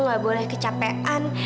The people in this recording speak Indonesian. gak boleh kecapean